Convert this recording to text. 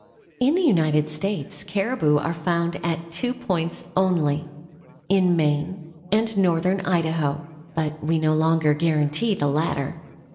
In the United States caribou are found at two points only: in Maine and northern Idaho; but we no longer guarantee the latter.